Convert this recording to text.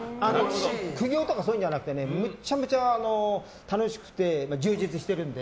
苦行とかそういうんじゃなくてめちゃめちゃ楽しくて充実してるので。